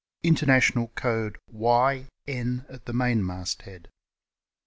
International code GUJ at the main mast head.